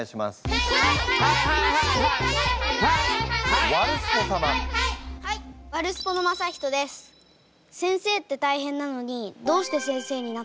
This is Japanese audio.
先生って大変なのにどうして先生になったんですか？